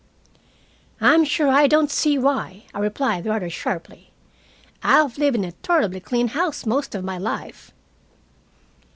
"I'm sure I don't see why," I replied, rather sharply, "I've lived in a tolerably clean house most of my life."